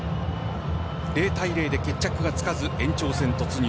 ０対０で決着がつかず延長戦突入。